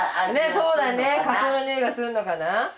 そうだねカツオのにおいがするのかな？